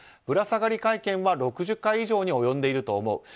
ぶら下がり会見は６０回以上に及んでいると思う。